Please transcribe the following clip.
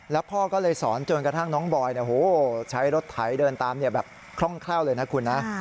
แล้วพ่อก็เลยสอนจนกระทั่งน้องบอยใช้รถไถเดินตามแบบคล่องแคล่วเลยนะคุณนะ